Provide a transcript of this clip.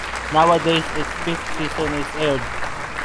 Nowadays, its fifth season is aired.